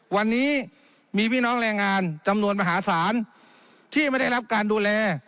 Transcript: วันนี้มีพี่น้องแรงงานจำนวนมหาศาลที่ไม่ได้รับการดูแล